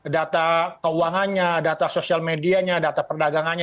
data keuangannya data sosial medianya data perdagangannya